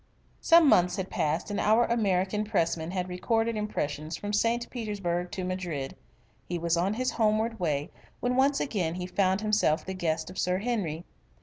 Some months had passed and our American Pressman had recorded impressions from St. Petersburg to Madrid. He was on his homeward way when once again he found himself the guest of Sir Henry.